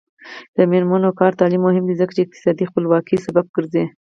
د میرمنو کار او تعلیم مهم دی ځکه چې اقتصادي خپلواکۍ سبب ګرځي.